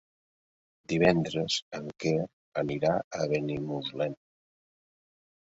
Divendres en Quer anirà a Benimuslem.